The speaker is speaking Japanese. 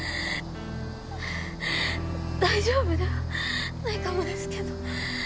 ハァ大丈夫ではないかもですけど。